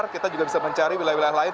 kita juga bisa mencari wilayah wilayah lain